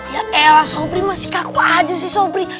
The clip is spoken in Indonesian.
ya elah sobri masih kaku aja sih sobri